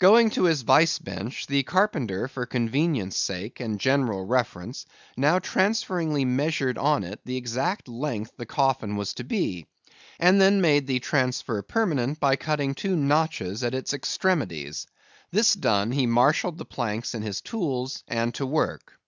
Going to his vice bench, the carpenter for convenience sake and general reference, now transferringly measured on it the exact length the coffin was to be, and then made the transfer permanent by cutting two notches at its extremities. This done, he marshalled the planks and his tools, and to work.